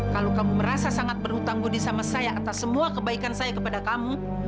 kalau kamu merasa sangat berhutang budi sama saya atas semua kebaikan saya kepada kamu